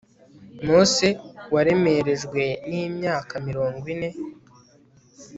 Mose waremerejwe nimyaka mirongo ine